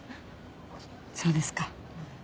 そうですか。